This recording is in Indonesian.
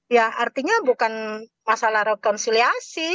ya artinya bukan masalah rekonsiliasi